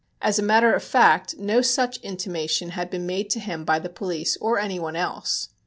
As a matter of fact no such intimation had been made to him by the police or anyone else.